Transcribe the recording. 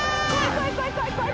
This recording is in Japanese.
怖い怖い怖い。